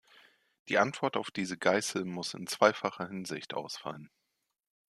Die Antwort auf diese Geißel muss in zweifacher Hinsicht ausfallen.